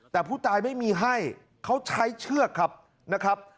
แต่ผู้ตายไม่มีให้เขาใช้เชือกครับนะครับ